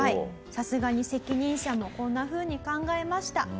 さすがに責任者もこんな風に考えました。